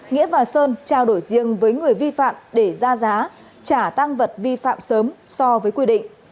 nghĩa và sơn trao đổi riêng với người vi phạm để ra giá trả tăng vật vi phạm sớm so với quy định